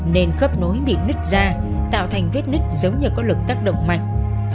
nền khắp nối bị nứt ra tạo thành vết nứt giống như có lực tác động mạnh